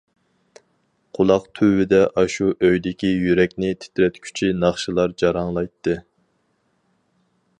قۇلاق تۈۋىدە ئاشۇ ئۆيدىكى يۈرەكنى تىترەتكۈچى ناخشىلار جاراڭلايتتى.